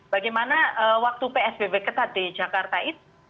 bagaimana waktu psbb ketat di jakarta itu